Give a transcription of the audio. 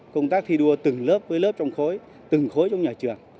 công tác thi đua từng lớp với lớp trong khối từng khối trong nhà trường